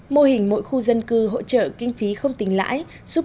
mô hình mỗi khu dân cư hỗ trợ kinh phí không tính lãi